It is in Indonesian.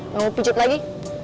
mau pijat lagi